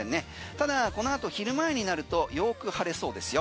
ただこのあと昼前になるとよく晴れそうですよ。